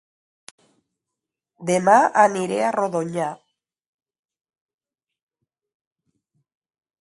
Dema aniré a Rodonyà